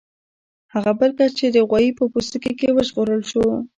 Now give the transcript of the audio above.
هغه بل کس چې د غوايي په پوستکي کې و وژغورل شو.